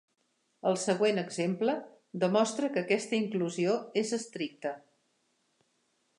El següent exemple demostra que aquesta inclusió és estricta.